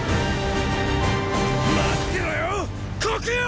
待ってろよ黒羊！！